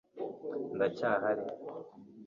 Ndacyahari